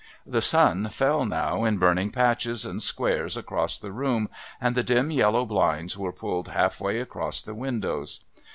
The sun fell now in burning patches and squares across the room and the dim yellow blinds were pulled half way across the windows.